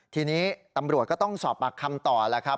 ทีนี้ตำรวจก็ต้องสอบปากคำต่อแล้วครับ